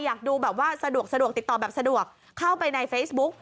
อยากดูแบบว่าสะดวกติดต่อแบบสะดวกเข้าไปในเฟซบุ๊ก